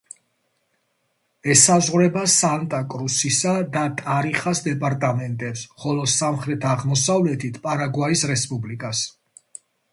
ესაზღვრება სანტა-კრუსისა და ტარიხას დეპარტამენტებს, ხოლო სამხრეთ-აღმოსავლეთით პარაგვაის რესპუბლიკას.